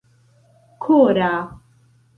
kora